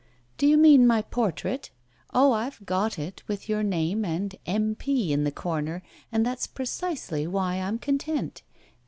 "Do you mean my portrait? Oh I've got it, with your name and 'M.P.' in the corner, and that's precisely why I'm content.